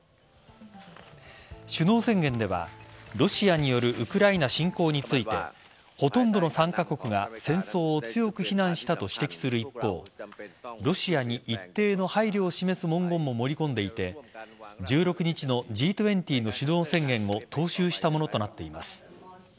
首脳宣言では、ロシアによるウクライナ侵攻についてほとんどの参加国が戦争を強く非難したと指摘する一方ロシアに一定の配慮を示す文言も盛り込んでいて１６日のＧ２０の首脳宣言を踏襲したものとなっています。